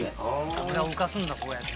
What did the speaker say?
「油を浮かすんだこうやって」